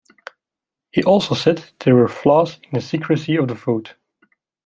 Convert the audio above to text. He also said there were flaws in the secrecy of the vote.